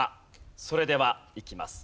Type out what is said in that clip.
それではいきます。